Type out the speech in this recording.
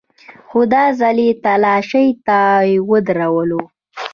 خو دا ځل چې تلاشۍ ته يې ودرولو.